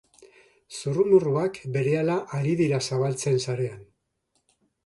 Zurrumurruak berehala ari dira zabaltzen sarean.